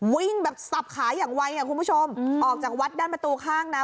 วิ่งแบบสับขาอย่างไวอ่ะคุณผู้ชมออกจากวัดด้านประตูข้างนะ